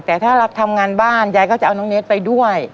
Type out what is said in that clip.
แต่ถ้ารักทำงานบ้านยายก็จะเอาน้องเนสไปด้วย